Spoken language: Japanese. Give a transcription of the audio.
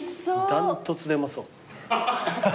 断トツでうまそう。